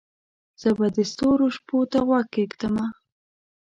زه به د ستورو شپو ته غوږ کښېږدمه